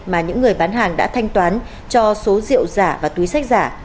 mà những người bán hàng đã thanh toán cho số rượu giả và túi sách giả